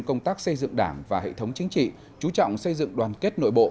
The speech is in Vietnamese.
công tác xây dựng đảng và hệ thống chính trị chú trọng xây dựng đoàn kết nội bộ